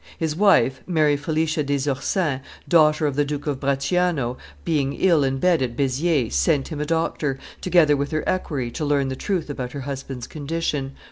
His wife, Mary Felicia des Ursins, daughter of the Duke of Bracciano, being ill in bed at Beziers, sent him a doctor, together with her equerry, to learn the truth about her husband's condition.